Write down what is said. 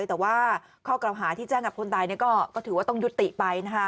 แต่ว่าข้อกล่าวหาที่แจ้งกับคนตายก็ถือว่าต้องยุติไปนะคะ